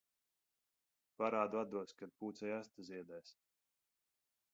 Parādu atdos, kad pūcei aste ziedēs.